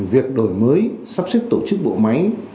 việc đổi mới sắp xếp tổ chức bộ máy